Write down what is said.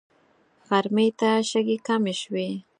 غرمې ته شګې کمې شوې.